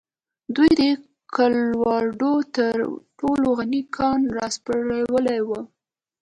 دوی د کولراډو تر ټولو غني کان راسپړلی و.